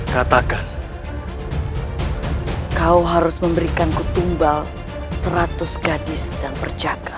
katakan kau harus memberikan ku tumbal seratus gadis dan perjagaan